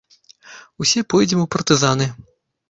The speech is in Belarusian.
Усе пойдзем у партызаны!